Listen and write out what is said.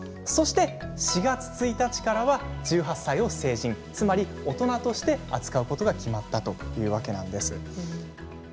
そして４月１日からは１８歳を成人つまり大人として扱うことが決まったというわけなんです。